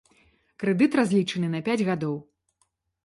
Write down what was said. Крэдыт разлічаны на пяць гадоў.